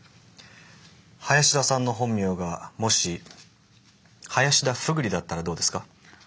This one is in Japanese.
林田さんの本名がもし林田ふぐりだったらどうですか？